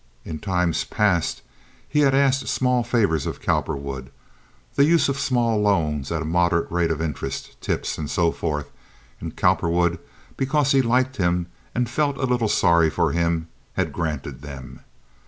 In times past he had asked small favors of Cowperwood—the use of small loans at a moderate rate of interest, tips, and so forth; and Cowperwood, because he liked him and felt a little sorry for him, had granted them.